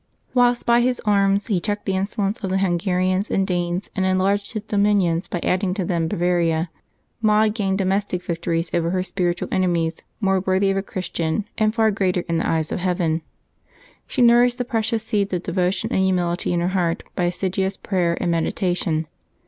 Whilst by his arms he checked the insolence of the Hungarians and Danes, and enlarged his dominions by adding to them Bavaria, Maud gained domestic victories over her spiritual enemies more worthy of a Christian and far greater in the eyes of Heaven. She nourished the precious seeds of devotion and humility in her heart by assiduous prayer and meditation.